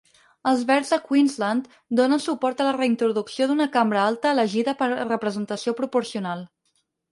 Els Verds de Queensland donen suport a la reintroducció d'una cambra alta elegida per representació proporcional.